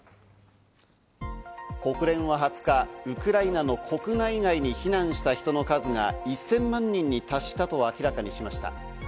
国連は２０日、ウクライナの国内外に避難した人の数が１０００万人に達したと明らかにしました。